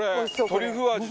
トリュフ味？